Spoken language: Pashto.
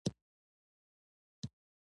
د ډاکټر یونس ندیم په ځای کې غونډې کولې.